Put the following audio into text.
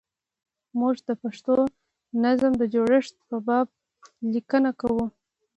موږ د پښتو نظم د جوړښت په باب لیکنه کوو.